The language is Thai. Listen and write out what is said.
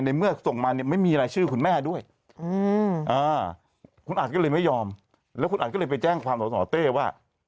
เมื่อส่งมาเนี่ยไม่มีรายชื่อคุณแม่ด้วยคุณอัดก็เลยไม่ยอมแล้วคุณอัดก็เลยไปแจ้งความสสเต้ว่า